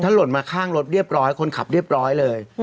หล่นมาข้างรถเรียบร้อยคนขับเรียบร้อยเลย